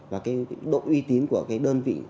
và cái độ uy tín của cái đơn vị